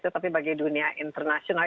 tapi bagi dunia internasional